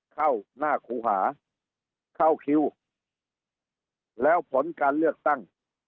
เข้าหน้าครูหาเข้าคิวแล้วผลการเลือกตั้ง